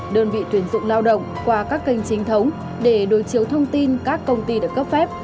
đơn vị tuyển dụng lao động qua các kênh chính thống để đối chiếu thông tin các công ty được cấp phép